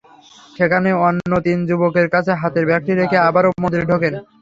সেখানে অন্য তিন যুবকের কাছে হাতের ব্যাগটি রেখে আবারও মন্দিরে ঢোকেন।